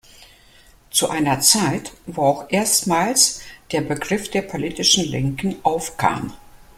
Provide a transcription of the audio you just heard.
Zu einer Zeit, wo auch erstmals der Begriff der politischen Linken aufkam.